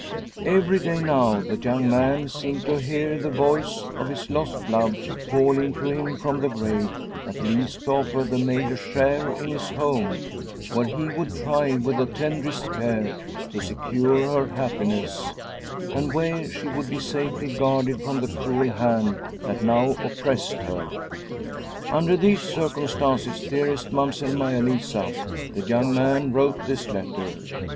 Every day now the young man seemed to hear the voice of his lost love calling to him from the grave at least to offer the maid a share in his home, where he would try with the tenderest care to secure her happiness, and where she would be safely guarded from the cruel hand that now oppressed her. Under these cir cumstances, dearest Mamsell Maia Lisa, the young man wrote this letter.